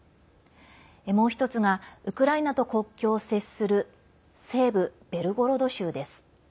もう１つがウクライナと国境を接する西部ベルゴロド州です。